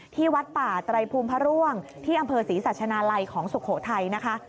วัดป่าไตรภูมิพระร่วงที่อำเภอศรีสัชนาลัยของสุโขทัยนะคะ